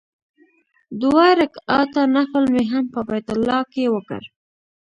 دوه رکعاته نفل مې هم په بیت الله کې وکړ.